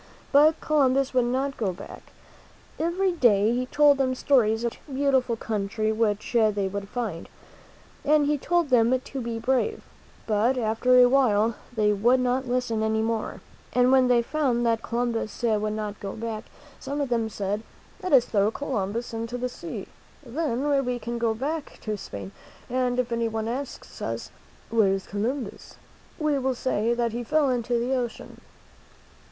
But Columbus would not go back. Every day he told them stories of the rich, beautiful country which they would find. And he told them to be brave. But after a while they would not listen any more; and when they found that Columbus m THE MEN WHO FOUND AMERICA I'wm '*s ^^_'^. would not go back, some of them said: "Let us throw Columbus into the sea. Then we can go back to Spain, and if any one asks us, 'Where is Columbus?' we will say that he fell into the ocean."